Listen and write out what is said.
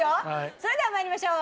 それでは参りましょう。